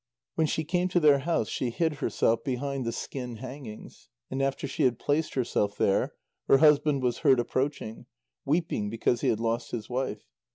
When she came to their house, she hid herself behind the skin hangings, and after she had placed herself there, her husband was heard approaching, weeping because he had lost his wife.